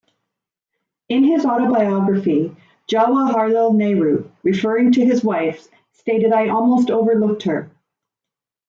In his autobiography, Jawaharlal Nehru, referring to his wife, stated I almost overlooked her.